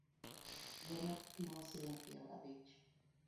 Yien apimo siling’ piero abich